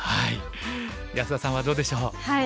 安田さんはどうでしょう？